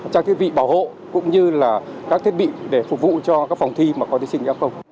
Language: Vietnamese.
trang thiết bị bảo hộ cũng như các thiết bị để phục vụ cho các phòng thi mà có thí sinh f